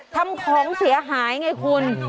ทำของเสียหายไงคุณ